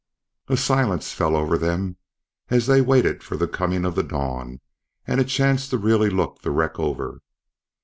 A silence fell over them as they waited for the coming of dawn and a chance to really look the wreck over.